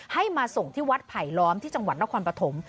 ให้มาส่งที่วัดไผลล้อมที่จังหวัดนครปฐม